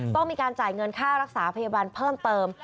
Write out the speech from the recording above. ต้องมีการจ่ายเงินค่ารักษาพยาบาลเพิ่มเติม